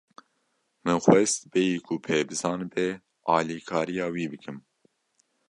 Min xwest bêyî ku pê bizanibe, alîkariya wî bikim.